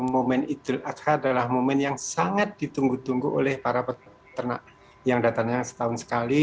momen idul adha adalah momen yang sangat ditunggu tunggu oleh para peternak yang datangnya setahun sekali